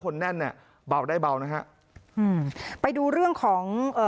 แน่นเนี้ยเบาได้เบานะฮะอืมไปดูเรื่องของเอ่อ